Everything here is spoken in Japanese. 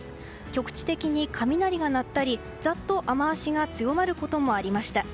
局地的に雷が鳴ったり、ざっと雨脚が強まることもありました。